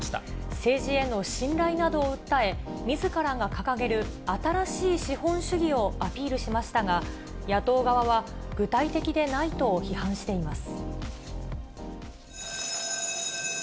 政治への信頼などを訴え、みずからが掲げる新しい資本主義をアピールしましたが、野党側は具体的でないと批判しています。